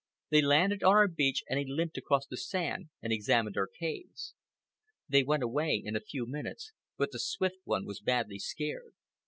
They landed on our beach, and he limped across the sand and examined our caves. They went away in a few minutes, but the Swift One was badly scared.